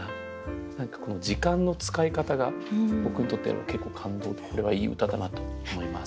何かこの時間の使い方が僕にとっては結構感動でこれはいい歌だなと思います。